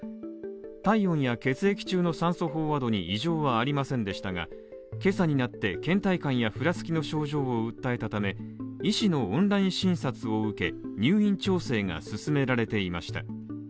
体温や血液中の酸素飽和度に異常はありませんでしたが今朝になってけん怠感やふらつきの症状を訴えたため、医師のオンライン診察を受け、入院調整が進められていました。